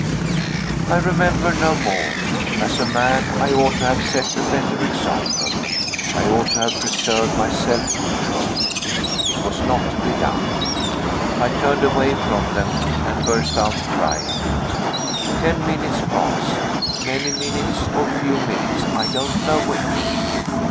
I remember no more. As a man, I ought to have set a better example; I ought to have preserved my self control. It was not to be done. I turned away from them and burst out crying. The minutes passed. Many minutes or few minutes, I don't know which.